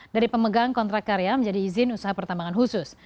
dari pemegang kontrak karya menjadi izin usaha pertambangan khusus